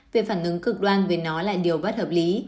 việc phản ứng cực đoan về nó là điều bất hợp lý